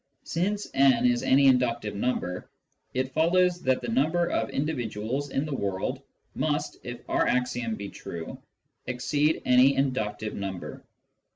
Since n is any inductive number, it follows that the number of individuals in the world must (if our axiom be true) exceed any inductive number.